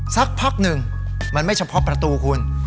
สักพักหนึ่งมันไม่เฉพาะประตูคุณ